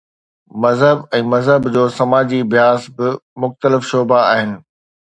مذهب ۽ مذهب جو سماجي اڀياس ٻه مختلف شعبا آهن.